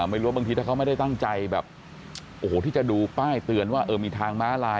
บางทีถ้าเขาไม่ได้ตั้งใจแบบโอ้โหที่จะดูป้ายเตือนว่ามีทางม้าลาย